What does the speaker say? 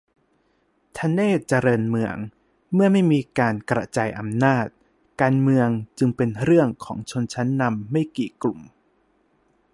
ธเนศวร์ เจริญเมือง : เมื่อไม่มีการกระจายอำนาจ การเมืองจึงเป็นเรื่องของชนชั้นนำไม่กี่กลุ่ม